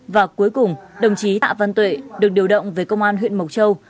và cuối cùng đồng chí tạ văn tuệ được điều động về công an huyện mộc châu